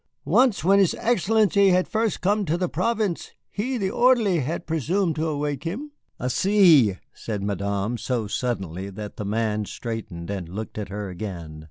Once, when his Excellency had first come to the province, he, the orderly, had presumed to awake him. "Assez!" said Madame, so suddenly that the man straightened and looked at her again.